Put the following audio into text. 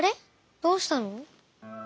どうしたの？